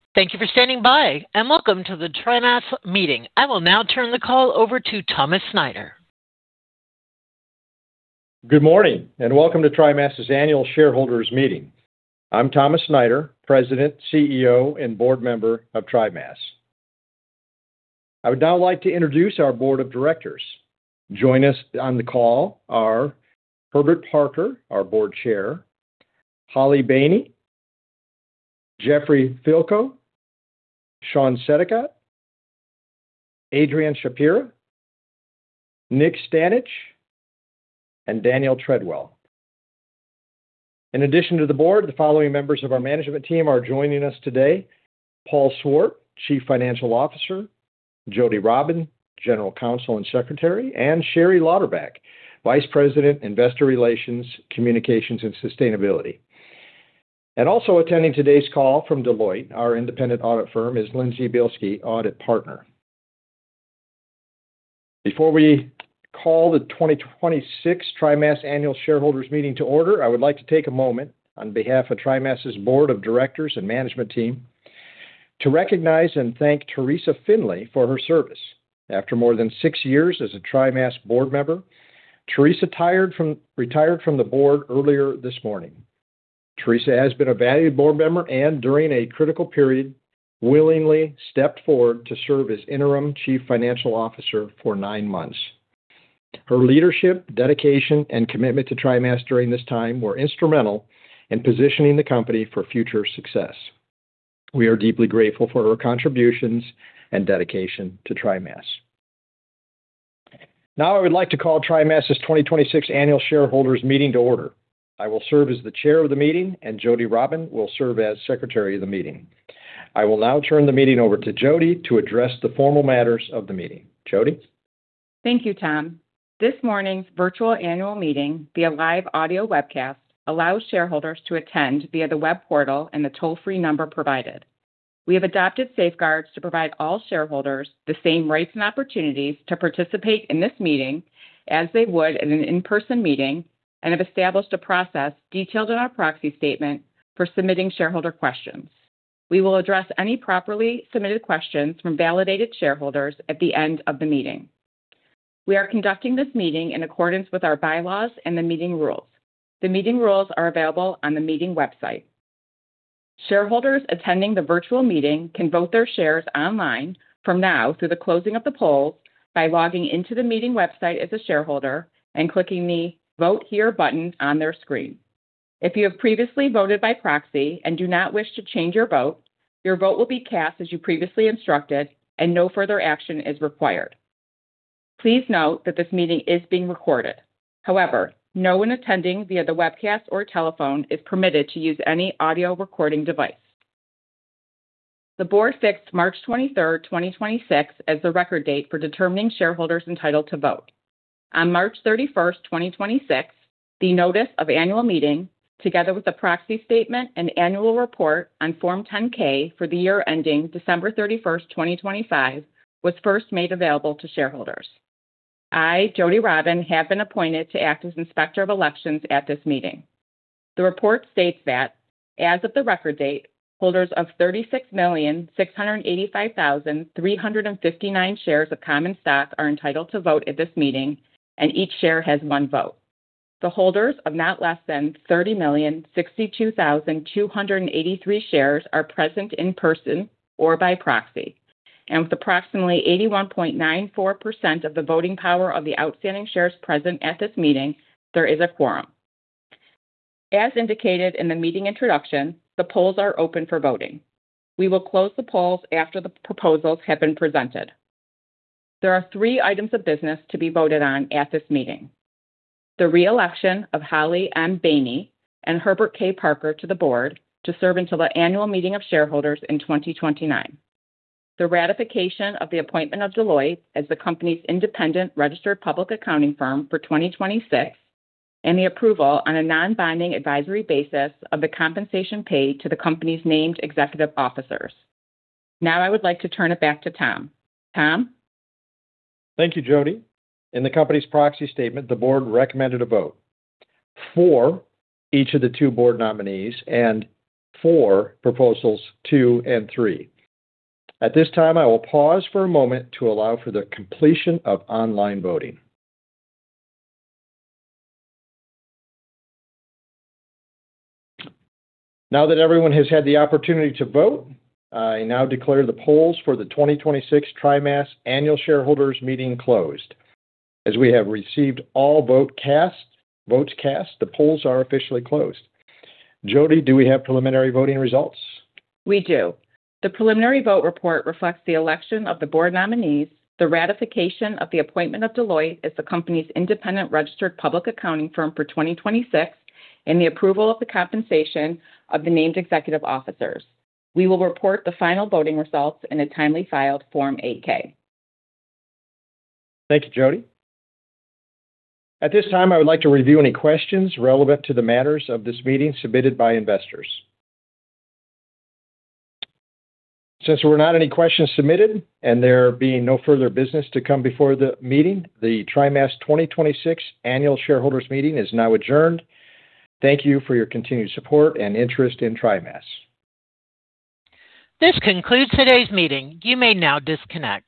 Thank you for standing by, and welcome to the TriMas meeting. I will now turn the call over to Thomas Snyder. Good morning, welcome to TriMas' annual shareholders meeting. I'm Thomas Snyder, President, CEO, and Board Member of TriMas. I would now like to introduce our Board of Directors. Joining us on the call are Herbert Parker, our Board Chair, Holly M. Boehne, Jeffrey Fielkow, Shawn Sedaghat, Adrianne Shapira, Nick Stanage, and Daniel P. Tredwell. In addition to the board, the following members of our management team are joining us today: Paul Swart, Chief Financial Officer, Jodi Robin, General Counsel and Secretary, and Sherry Lauderback, Vice President, Investor Relations, Communications, and Sustainability. Also attending today's call from Deloitte, our independent audit firm, is Lindsey Bilski, Audit Partner. Before we call the 2026 TriMas annual shareholders meeting to order, I would like to take a moment on behalf of TriMas' Board of Directors and management team to recognize and thank Teresa M. Finley for her service. After more than six years as a TriMas board member, Teresa M. Finley retired from the board earlier this morning. Teresa M. Finley has been a valued board member and, during a critical period, willingly stepped forward to serve as Interim Chief Financial Officer for nine months. Her leadership, dedication, and commitment to TriMas during this time were instrumental in positioning the company for future success. We are deeply grateful for her contributions and dedication to TriMas. Now I would like to call TriMas 2026 annual shareholders meeting to order. I will serve as the Chair of the meeting, and Jodi Robin will serve as Secretary of the meeting. I will now turn the meeting over to Jodi to address the formal matters of the meeting. Jodi? Thank you, Tom. This morning's virtual annual meeting, via live audio webcast, allows shareholders to attend via the web portal and the toll-free number provided. We have adopted safeguards to provide all shareholders the same rights and opportunities to participate in this meeting as they would in an in-person meeting and have established a process detailed in our proxy statement for submitting shareholder questions. We will address any properly submitted questions from validated shareholders at the end of the meeting. We are conducting this meeting in accordance with our bylaws and the meeting rules. The meeting rules are available on the meeting website. Shareholders attending the virtual meeting can vote their shares online from now through the closing of the polls by logging into the meeting website as a shareholder and clicking the Vote Here button on their screen. If you have previously voted by proxy and do not wish to change your vote, your vote will be cast as you previously instructed and no further action is required. Please note that this meeting is being recorded. However, no one attending via the webcast or telephone is permitted to use any audio recording device. The board fixed March 23, 2026 as the record date for determining shareholders entitled to vote. On March 31, 2026, the notice of annual meeting, together with the proxy statement and annual report on Form 10-K for the year ending December 31, 2025, was first made available to shareholders. I, Jodi Robin, have been appointed to act as Inspector of Elections at this meeting. The report states that as of the record date, holders of 36,685,359 shares of common stock are entitled to vote at this meeting, and each share has one vote. The holders of not less than 30,062,283 shares are present in person or by proxy. With approximately 81.94% of the voting power of the outstanding shares present at this meeting, there is a quorum. As indicated in the meeting introduction, the polls are open for voting. We will close the polls after the proposals have been presented. There are three items of business to be voted on at this meeting. The re-election of Holly M. Boehne and Herbert K. Parker to the board to serve until the annual meeting of shareholders in 2029, the ratification of the appointment of Deloitte as the company's independent registered public accounting firm for 2026, and the approval on a non-binding advisory basis of the compensation paid to the company's named executive officers. Now I would like to turn it back to Tom. Tom? Thank you, Jodi. In the company's proxy statement, the board recommended a vote for each of the two board nominees and for proposals two and three. At this time, I will pause for a moment to allow for the completion of online voting. Now that everyone has had the opportunity to vote, I now declare the polls for the 2026 TriMas annual shareholders meeting closed. As we have received all votes cast, the polls are officially closed. Jodi, do we have preliminary voting results? We do. The preliminary vote report reflects the election of the board nominees, the ratification of the appointment of Deloitte as the company's independent registered public accounting firm for 2026, and the approval of the compensation of the named executive officers. We will report the final voting results in a timely filed Form 8-K. Thank you, Jodi. At this time, I would like to review any questions relevant to the matters of this meeting submitted by investors. Since there were not any questions submitted and there being no further business to come before the meeting, the TriMas 2026 annual shareholders meeting is now adjourned. Thank you for your continued support and interest in TriMas. This concludes today's meeting. You may now disconnect.